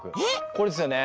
これですよね？